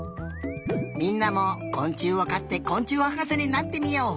みんなもこん虫をかってこん虫はかせになってみよう！